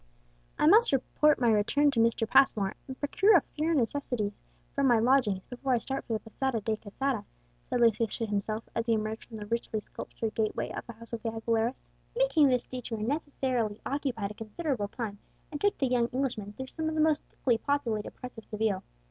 "I must report my return to Mr. Passmore, and procure a few necessaries from my lodgings, before I start for the Posada de Quesada," said Lucius to himself, as he emerged from the richly sculptured gateway of the house of the Aguileras. Making this detour necessarily occupied a considerable time, and took the young Englishman through some of the most thickly populated parts of Seville.